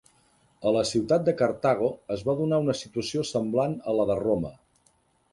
A la ciutat de Cartago es va donar una situació semblant a la de Roma.